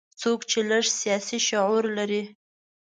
څوک چې لږ سیاسي شعور لري.